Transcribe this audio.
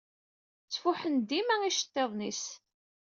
Ttfuḥen-d dima iceṭṭiḍen-is.